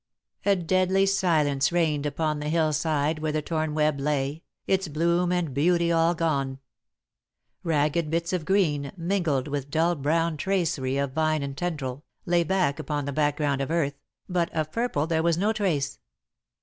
A deadly silence reigned upon the hillside where the torn web lay, its bloom and beauty all gone. Ragged bits of green, mingled with dull brown tracery of vine and tendril, lay back upon the background of earth, but of purple there was no trace.